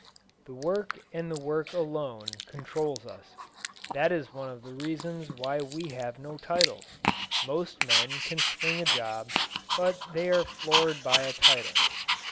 The work and the work alone controls us. That is one of the reasons why we have no titles. Most men can swing a job, but they are floored by a title.